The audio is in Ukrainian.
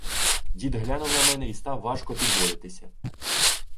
Дід глянув на мене і став важко підводитися.